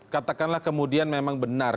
katakanlah kemudian memang benar